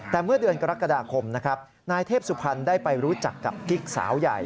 แต่เมื่อเดือนกรกฎาคมนะครับนายเทพสุพรรณได้ไปรู้จักกับกิ๊กสาวใหญ่